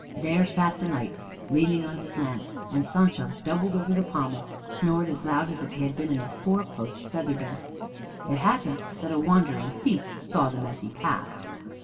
There sat the Knight, leaning on his lance; and Sancho, doubled over the pommel, snored as loud as if he had been in a four post feather bed. It happened that a wandering thief saw them as he passed.